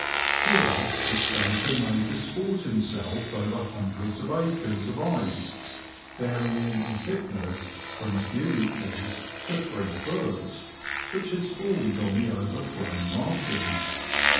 Here the skater may disport himself over hundreds of acres of ice, varying in thickness from a few inches to 3ft., which has formed on the overflown marshes.